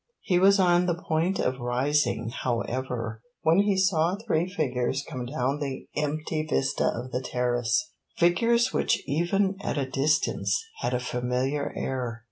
He was on the point of rising, however, when he saw three figures come down the empty vista of the terrace figures which even at a distance had a familiar air.